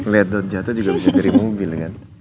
lihat daun jatuh juga bisa dari mobil kan